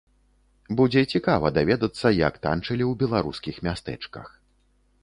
Будзе цікава даведацца, як танчылі ў беларускіх мястэчках.